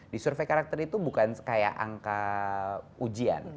di survei karakter itu bukan kayak angka ujian